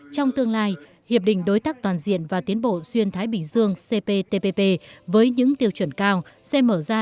trong tương lai hiệp định đối tác toàn diện và tiến bộ xuyên thái bình dương cptpp với những tiêu chuẩn cao sẽ mở ra